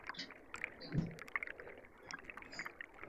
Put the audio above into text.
ikizingatia kila kitu kuanzia falsafa yake ya mahakama kwa ujumla hadi